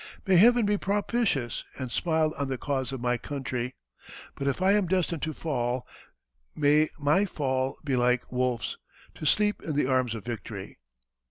May Heaven be propitious, and smile on the cause of my country. But if I am destined to fall, may my fall be like Wolfe's to sleep in the arms of victory."